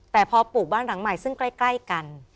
แต่พอปลูกบ้านหลังใหม่ซึ่งใกล้กัน